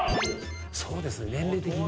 そうですよね年齢的に。